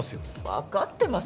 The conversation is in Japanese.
わかってますわ。